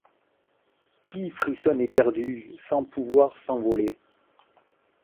Qui frissonne éperdu, sans pouvoir s'envoler ;